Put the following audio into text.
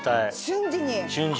瞬時に。